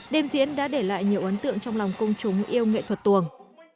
đêm diễn đã để lại nhiều ấn tượng trong lòng công chúng yêu nghệ thuật tuồng